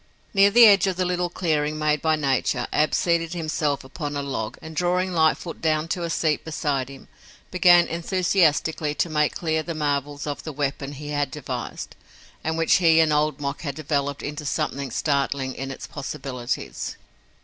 Near the edge of the little clearing made by nature, Ab seated himself upon a log, and drawing Lightfoot down to a seat beside him, began enthusiastically to make clear the marvels of the weapon he had devised and which he and Old Mok had developed into something startling in its possibilities.